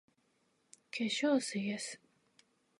化粧水 ｓ